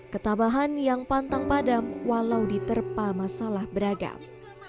ketabahan yang pantang padam walau diterpa masalah beragam